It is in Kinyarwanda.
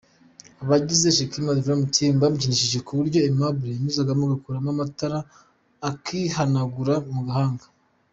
Abagize Shekinah Drama Team bamubyinishije ku buryo Aimable yanyuzagamo agakuramo amatarata akihanagura mu gahanga.